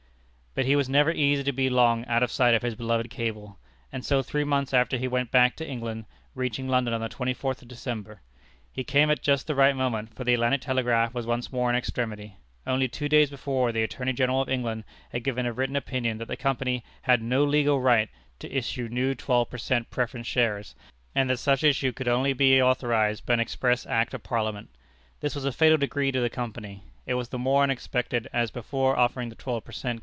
But he was never easy to be long out of sight of his beloved cable, and so three months after he went back to England, reaching London on the twenty fourth of December. He came at just the right moment, for the Atlantic Telegraph was once more in extremity. Only two days before the Attorney General of England had given a written opinion that the Company had no legal right to issue new twelve per cent. preference shares, and that such issue could only be authorized by an express act of Parliament. This was a fatal decree to the Company. It was the more unexpected, as, before offering the twelve per cent.